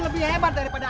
lebih hebat daripada